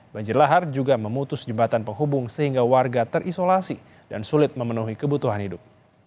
banjir lahar juga memutus jembatan penghubung sehingga warga terisolasi dan sulit memenuhi kebutuhan hidup